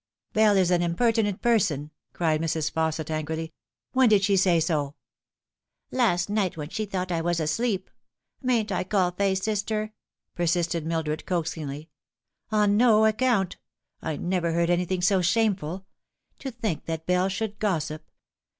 " Bell is an impertinent person," cried Mrs. Fausset angrily. " When did she say so ?"" Last night, when she thought I was asleep. Mayn't I call Fay sister ?" persisted Mildred coaxingly. " On no account. I never heard anything so shameful. To think that Bell should gossip